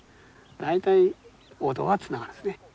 大体音はつながるんですね。